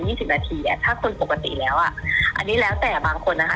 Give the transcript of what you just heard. สิบนาทีอ่ะถ้าคนปกติแล้วอ่ะอันนี้แล้วแต่บางคนนะคะ